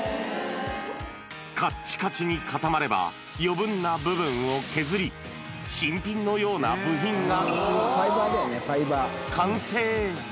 かっちかちに固まれば、余分な部分を削り、新品のような部品が完成。